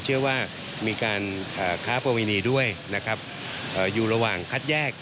เชื่อว่ามีการค้าประวินีด้วยอยู่ระหว่างคัดแยก